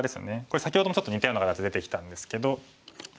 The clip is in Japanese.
これ先ほどもちょっと似たような形出てきたんですけど。